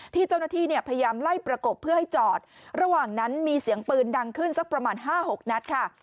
เจ้าหน้าที่เนี่ยพยายามไล่ประกบเพื่อให้จอดระหว่างนั้นมีเสียงปืนดังขึ้นสักประมาณ๕๖นัดค่ะ